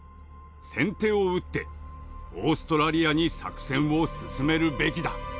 先手を打ってオーストラリアに作戦を進めるべきだ。